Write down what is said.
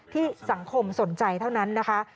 ที่สังคมสนใจเท่านั้นนะคะ